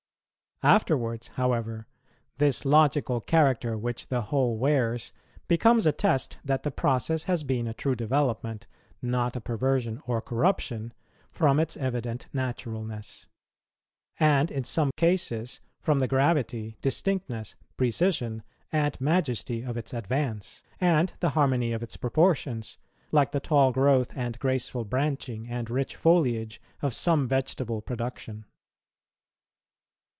Afterwards, however, this logical character which the whole wears becomes a test that the process has been a true development, not a perversion or corruption, from its evident naturalness; and in some cases from the gravity, distinctness, precision, and majesty of its advance, and the harmony of its proportions, like the tall growth, and graceful branching, and rich foliage, of some vegetable production.